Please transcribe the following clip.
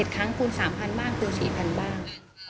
ครั้งคูณ๓๐๐บ้างคูณ๔๐๐บ้าง